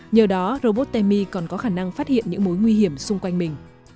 nhờ đó robot temi còn có khả năng phát hiện những mối nguy hiểm xung quanh mình